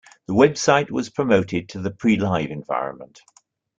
The website was promoted to the pre-live environment.